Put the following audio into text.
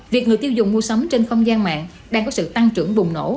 việc người tiêu dùng mua sắm trên không gian mạng đang có sự tăng trưởng bùng nổ